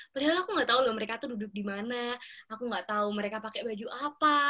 padahal aku gak tau loh mereka tuh duduk dimana aku gak tau mereka pake baju apa